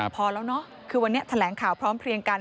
พอแล้วเนอะคือวันนี้แถลงข่าวพร้อมเพลียงกัน